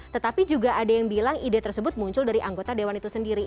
tetapi juga ada yang bilang ide tersebut muncul dari anggota dewan itu sendiri